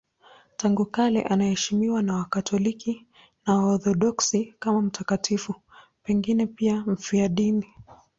Tangu kale anaheshimiwa na Wakatoliki na Waorthodoksi kama mtakatifu, pengine pia mfiadini.